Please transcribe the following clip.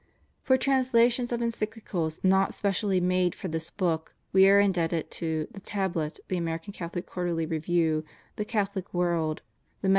' For translations of Encychcals not specially made for this book we are indebted to The Tablet, The Ameri an Catholic Qvxirterly Review, The Catholic World, The iV